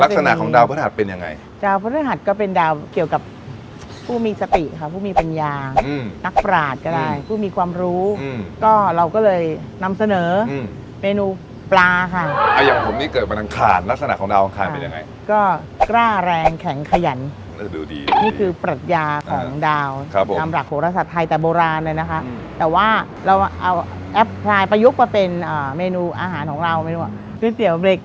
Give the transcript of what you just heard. ลักษณะของดาวพระธรรมเป็นยังไงดาวพระธรรมก็เป็นดาวเกี่ยวกับผู้มีสติค่ะผู้มีปัญญาอืมนักประหลาดก็ได้อืมผู้มีความรู้อืมก็เราก็เลยนำเสนออืมเมนูปลาค่ะอ่ะอย่างผมนี่เกิดมาดังขาดลักษณะของดาวของขาดเป็นยังไงก็กล้าแรงแข็งขยันเออดูดีดูดีนี่คือปรักยาของดาวครับผมท